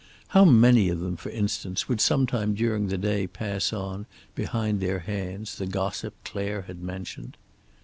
How many of them, for instance, would sometime during the day pass on, behind their hands, the gossip Clare had mentioned?